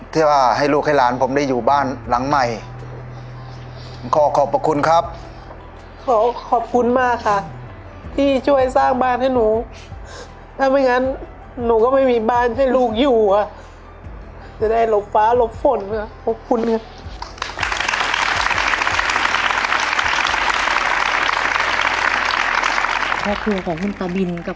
ปียนุษย์แป้นน้อยเล่นในตำแหน่งลิเบอร์โรนะครับ